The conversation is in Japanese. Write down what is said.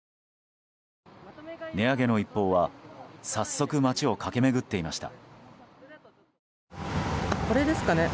値上げの一報は早速、街を駆け巡っていました。